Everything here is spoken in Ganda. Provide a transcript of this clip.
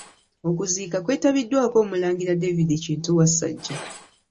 Okuziika kwetabiddwako, Omulangira David Kintu Wasajja